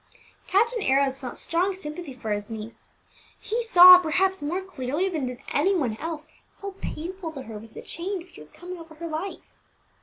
Captain Arrows felt strong sympathy for his niece. He saw, perhaps more clearly than did any one else, how painful to her was the change which was coming over her life.